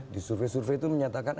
di survei survei itu menyatakan